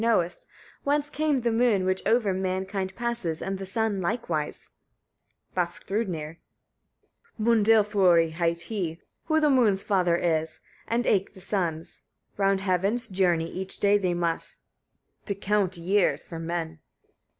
knowest, whence came the moon, which over mankind passes, and the sun likewise? Vafthrûdnir. 23. Mundilfoeri hight he, who the moon's father is, and eke the sun's: round heaven journey each day they must, to count years for men.